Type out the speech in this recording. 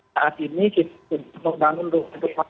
saat ini kita membangun ruang untuk pemerintah